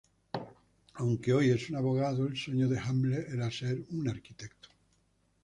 Aunque hoy es un abogado, el sueño de Hamlet era ser un arquitecto.